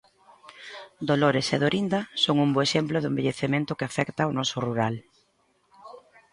Dolores e Dorinda son un bo exemplo do envellecemento que afecta o noso rural.